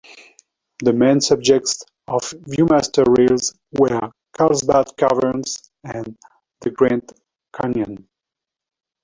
The main subjects of View-Master reels were Carlsbad Caverns and the Grand Canyon.